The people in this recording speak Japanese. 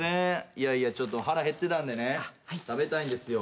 いやいやちょっと腹減ってたんでね食べたいんですよ。